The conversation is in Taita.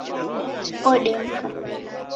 Kodemka